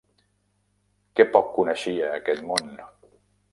Que poc coneixia aquest món!